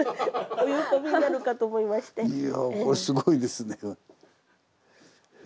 いやこれすごいですね。